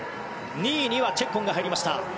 ２位にはチェッコンが入りました。